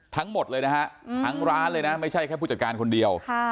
ทั้งหมดเลยนะฮะทั้งร้านเลยนะไม่ใช่แค่ผู้จัดการคนเดียว